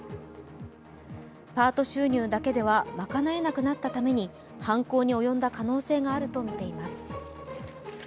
パート収入だけでは賄えなくなったために犯行に及んだ可能性があるとみています。